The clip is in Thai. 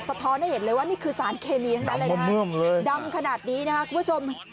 ท้อนให้เห็นเลยว่านี่คือสารเคมีทั้งนั้นเลยนะดำขนาดนี้นะครับคุณผู้ชม